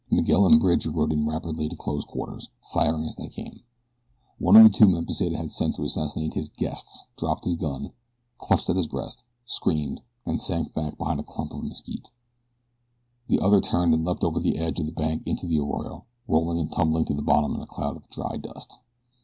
Miguel and Bridge rode in rapidly to close quarters, firing as they came. One of the two men Pesita had sent to assassinate his "guests" dropped his gun, clutched at his breast, screamed, and sank back behind a clump of mesquite. The other turned and leaped over the edge of the bank into the arroyo, rolling and tumbling to the bottom in a cloud of dry dust.